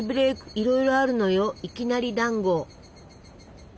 いろいろあるのよいきなりだんご！